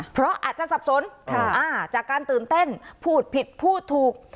เพราะอาจจะสับสนจากการตื่นเต้นพูดผิดพูดถูก